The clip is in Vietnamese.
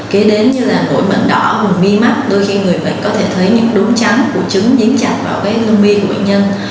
kể đến như nỗi mẩn đỏ bằng mi mắt đôi khi người bệnh có thể thấy những đúng chắn của trứng nhín chặt vào lưng mi của bệnh nhân